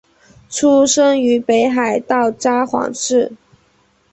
出生于北海道札幌市。